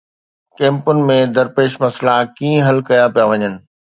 ڪئمپن ۾ درپيش مسئلا ڪيئن حل ڪيا پيا وڃن؟